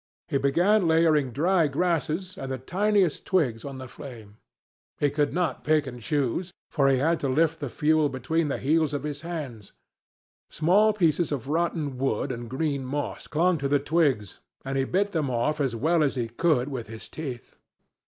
He began laying dry grasses and the tiniest twigs on the flame. He could not pick and choose, for he had to lift the fuel between the heels of his hands. Small pieces of rotten wood and green moss clung to the twigs, and he bit them off as well as he could with his teeth.